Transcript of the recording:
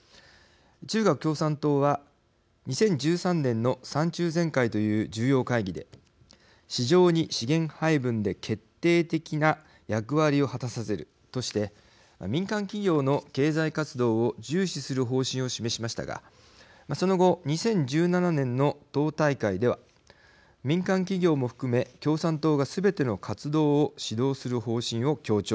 中国共産党は、２０１３年の３中全会という重要会議で市場に資源配分で決定的な役割を果たさせるとして民間企業の経済活動を重視する方針を示しましたがその後、２０１７年の党大会では民間企業も含め共産党がすべての活動を指導する方針を強調。